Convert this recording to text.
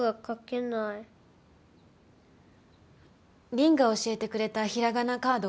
凛が教えてくれたひらがなカード